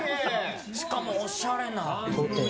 しかもおしゃれな。